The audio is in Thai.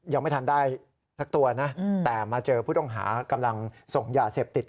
ยังไม่ทันได้สักตัวนะแต่มาเจอผู้ต้องหากำลังส่งยาเสพติด